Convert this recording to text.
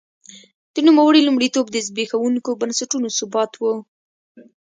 د نوموړي لومړیتوب د زبېښونکو بنسټونو ثبات و.